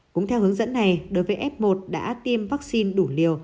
cũng theo hướng dẫn này đối với f một đã tiêm vaccine đủ liều